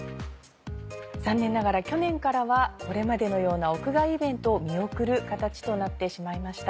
残念ながら去年からはこれまでのような屋外イベントを見送る形となってしまいました。